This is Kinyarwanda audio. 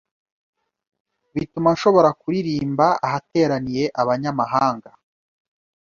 bituma nshobora kuririmba ahateraniye abanyamahanga